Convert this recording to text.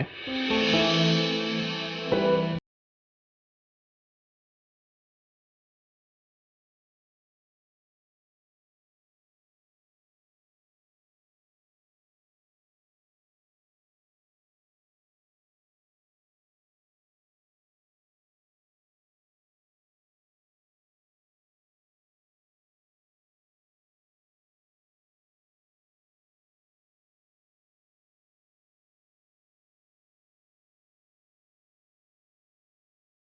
kita pulang aja ya